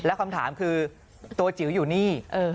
แล้วคำถามคือตัวจิ๋วอยู่นี่